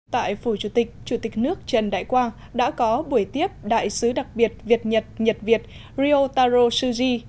tại phủ chủ tịch chủ tịch nước trần đại quang đã có buổi tiếp đại sứ đặc biệt việt nhật nhật việt riotaro suzy